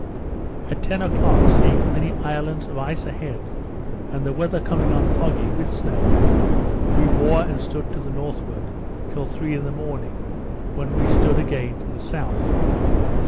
At ten o'clock, seeing many islands of ice a head, and the weather coming on foggy, with snow, we wore and stood to the northward, till three in the morning, when we stood again to the south.